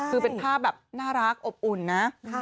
คือเป็นภาพแบบน่ารักอบอุ่นนะ